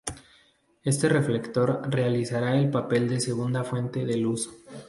Este reflector realizará el papel de segunda fuente de luz.